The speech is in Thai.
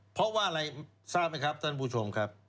เพราะว่าอะไรทราบไหมครับท่านผู้ชมครับ